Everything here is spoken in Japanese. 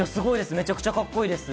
めちゃくちゃカッコいいです。